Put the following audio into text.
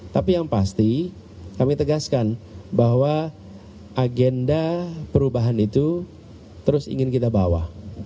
tapi yang pasti kami tegaskan bahwa agenda perubahan itu terus ingin kita bawa